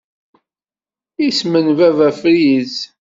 Isem n Baba Fritz.